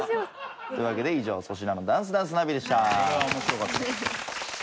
というわけで以上「粗品のダンスダンスナビ」でした。